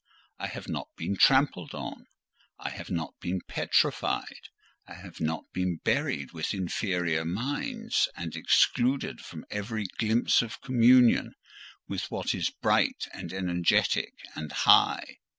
I have not been trampled on. I have not been petrified. I have not been buried with inferior minds, and excluded from every glimpse of communion with what is bright and energetic and high.